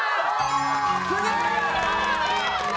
すげえ！